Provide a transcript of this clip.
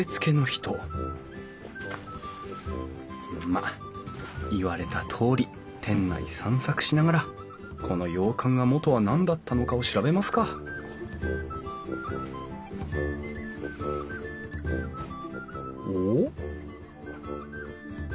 まっ言われたとおり店内散策しながらこの洋館が元は何だったのかを調べますかおっ？